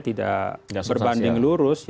tidak berbanding lurus